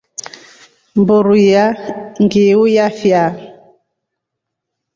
Mburu iya njiiu yafyaa.